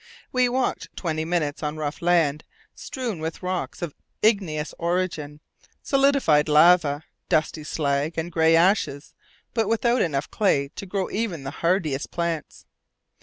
We walked for twenty minutes on rough land, strewn with rocks of igneous origin, solidified lava, dusty slag, and grey ashes, but without enough clay to grow even the hardiest plants.